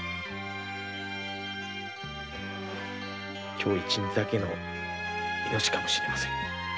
今日一日だけの命かもしれません。